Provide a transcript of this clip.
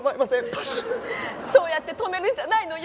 そうやって止めるんじゃないのよ。